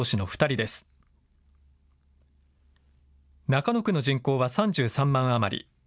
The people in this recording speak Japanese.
中野区の人口は３３万余り。